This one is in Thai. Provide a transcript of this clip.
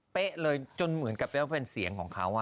เป๊ะเลยจนเหมือนกับเป็นเสียงของเขาอ่ะ